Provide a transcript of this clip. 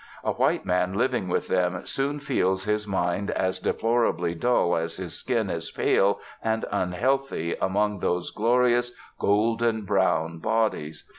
A white man living with them soon feels his mind as deplorably dull as his skin is pale and unhealthy among those glorious golden brown bodies.